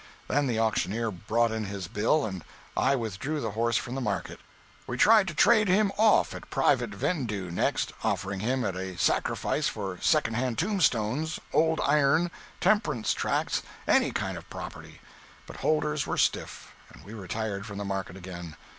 Then the auctioneer brought in his bill, and I withdrew the horse from the market. We tried to trade him off at private vendue next, offering him at a sacrifice for second hand tombstones, old iron, temperance tracts—any kind of property. But holders were stiff, and we retired from the market again.